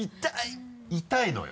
痛いのよ。